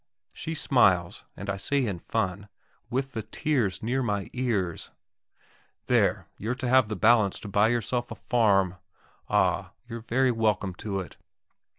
She smiles, and I say in fun, with the tears near my ears, "There, you're to have the balance to buy yourself a farm.... Ah, you're very welcome to it."